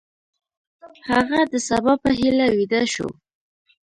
هغه د سبا په هیله ویده شو.